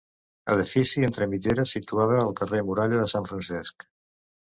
Edifici entre mitgeres situat al carrer Muralla de Sant Francesc.